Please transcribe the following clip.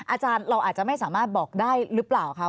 อาจารย์เราอาจจะไม่สามารถบอกได้หรือเปล่าคะ